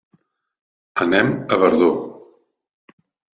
Anem a Verdú.